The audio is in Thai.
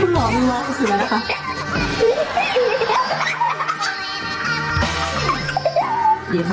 มันวาคม่ะสินะครับ